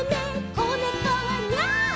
こねこはニャー」